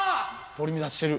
取り乱してる。